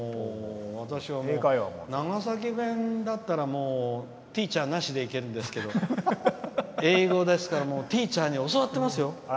私は長崎弁だったらティーチャーなしでいけるんですけど英語ですからティーチャーに教わってますよ。